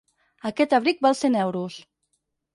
Aquest abric val cent euros.